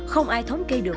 không ai thống kỳ được